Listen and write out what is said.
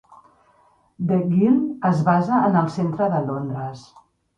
The Guild es basa en el centre de Londres.